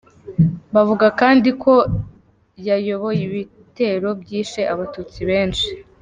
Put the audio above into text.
Bavuga kandi ko yayoboye ibitero byishe abatutsi benshi.